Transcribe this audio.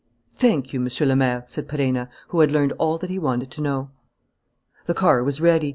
"Thank you, Monsieur le Maire," said Perenna, who had learned all that he wanted to know. The car was ready.